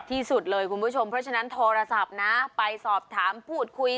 ที่สุดเลยคุณผู้ชมเพราะฉะนั้นโทรศัพท์นะไปสอบถามพูดคุย